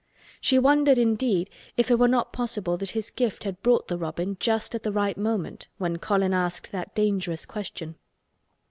She wondered, indeed, if it were not possible that his gift had brought the robin just at the right moment when Colin asked that dangerous question.